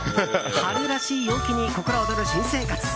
春らしい陽気に心躍る新生活。